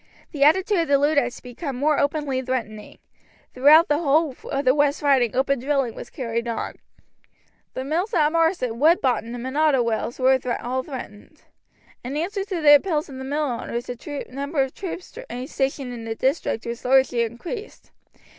The attitude of the Luddites had become more openly threatening. Throughout the whole of the West Riding open drilling was carried on. The mills at Marsden, Woodbottom, and Ottewells were all threatened. In answer to the appeals of the mill owners the number of troops in the district was largely increased.